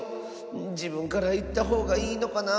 じぶんからいったほうがいいのかな。